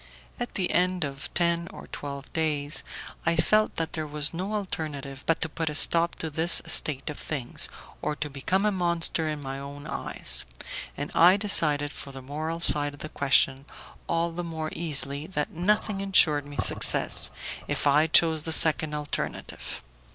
At the end of ten or twelve days, I felt that there was no alternative but to put a stop to this state of things, or to become a monster in my own eyes; and I decided for the moral side of the question all the more easily that nothing insured me success, if I chose the second alternative.